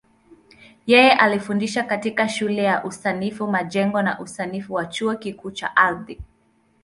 Yeye alifundisha katika Shule ya Usanifu Majengo na Usanifu wa Chuo Kikuu cha Ardhi.